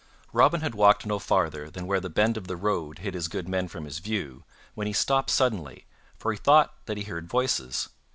Robin had walked no farther than where the bend of the road hid his good men from his view, when he stopped suddenly, for he thought that he heard voices.